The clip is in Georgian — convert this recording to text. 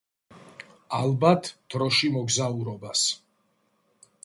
ალბათ დროში მოგზაურობას